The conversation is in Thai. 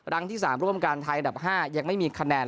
แลบถัดที่๓รุมการไทยอันดับ๕ยังไม่มีคะแนน